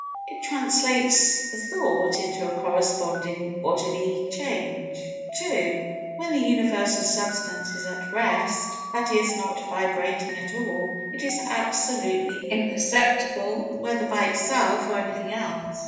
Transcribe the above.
It translates the thought into a corresponding bodily change. ii When the universal substance is at rest, that is, not vibrating at all, it is absolutely imperceptible whether by itself or anything else.